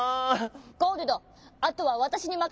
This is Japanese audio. ゴールドあとはわたしにまかせて。